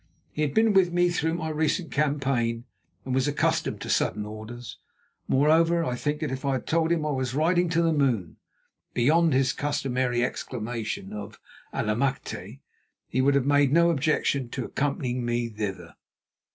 He had been with me through my recent campaign, and was accustomed to sudden orders. Moreover, I think that if I had told him I was riding to the moon, beyond his customary exclamation of "Allemachte!" he would have made no objection to accompanying me thither.